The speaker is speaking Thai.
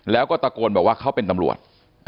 แล้วก็ตะโกนบอกว่าเขาเป็นตำรวจ